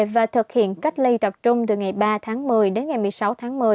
và thực hiện cách ly tập trung từ ngày ba tháng một mươi đến ngày một mươi sáu tháng một mươi